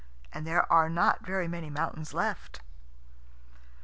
And there are not very many mountains left."